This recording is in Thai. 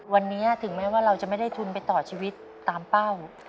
วันนี้ถึงแม้ว่าเราจะไม่ได้ทุนไปต่อชีวิตตามเป้า